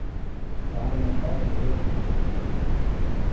Sɛan aṭas n wakud.